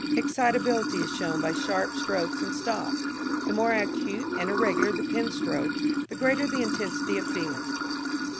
Excitability is shown by sharp strokes and stops. The more acute and irregular the pen strokes the greater the intensity of feeling.